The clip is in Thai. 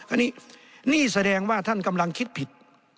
อันนี้นี่แสดงว่าท่านกำลังคิดผิด